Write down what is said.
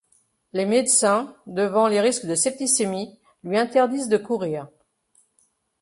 Les médecins, devant les risques de septicémie, lui interdisent de courir.